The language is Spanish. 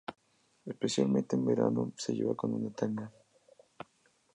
Especialmente en verano, se lleva con una tanga.